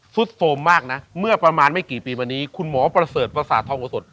สุดโทรมมากนะเมื่อประมาณไม่กี่ปีมานี้คุณหมอประเสริฐประสาททองโอสด